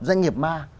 doanh nghiệp ma